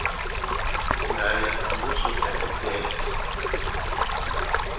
Yaya kangu sutata itete.